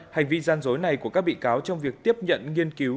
hành vi gian dối này của các bị cáo trong việc tiếp nhận nghiên cứu